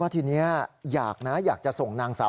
ทุกคณะ